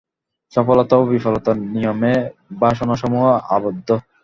সফলতা ও বিফলতার নিয়মে বাসনাসমূহ আবদ্ধ।